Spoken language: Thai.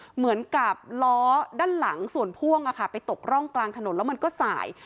เหมือนกับล้อด้านหลังส่วนพ่วงไปตกร่องกลางถนนแล้วมันก็สาย